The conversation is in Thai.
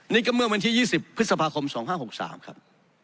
นี่ก็เมื่อวันที่๒๐พฤษภาคม๒๕๖๓ครับ